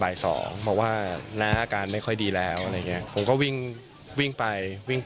บอกว่าน้าอาการไม่ค่อยดีแล้วผมก็วิ่งไป